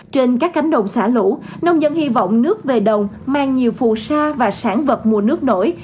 trên các cánh đồng xả lũ nông dân hy vọng nước về đồng mang nhiều phù sa và sản vật mùa nước nổi